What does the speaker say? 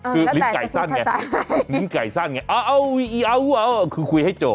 คือลิ้นไก่สั้นไงลิ้นไก่สั้นไงเอาเอาคือคุยให้จบ